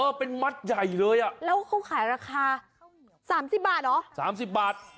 เออเป็นมัสใหญ่เลยแล้วเขาขายราคา๓๐บาทหรอ